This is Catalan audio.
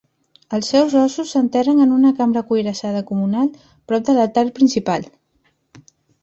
Els seus ossos s'enterren en una cambra cuirassada comunal prop de l'altar principal.